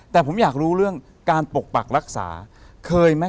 แต่ผมอยากรู้เรื่องการปกปักรักษาเคยไหม